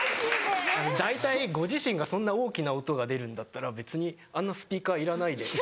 大体ご自身がそんな大きな音が出るんだったら別にあんなスピーカーいらないで。